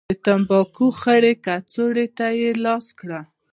د تنباکو خړې کڅوړې ته يې لاس کړ.